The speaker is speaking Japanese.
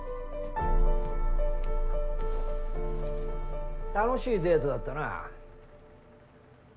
現在楽しいデートだったな。